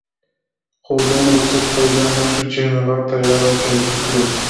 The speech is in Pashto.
خو دومره څوک پیدا نه شو چې هغه تیار او چمتو کړي.